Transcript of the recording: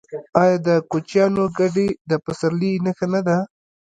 آیا د کوچیانو کډې د پسرلي نښه نه ده؟